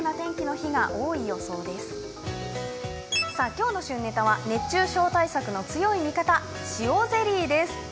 今日の旬ネタは熱中症対策の強い味方、塩ゼリーです。